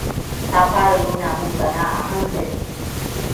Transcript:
Ta fara nuna min tsana a hankali.